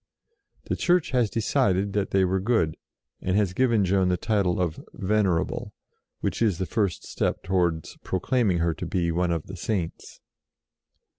The Church has decided that they were good, and has given Joan the title of "Venerable," which is the first step towards proclaiming her to be one of the Saints.